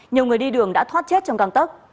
nhiều người đi đường đã thoát chết trong căng tấc